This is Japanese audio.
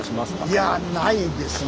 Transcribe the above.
いやないですね。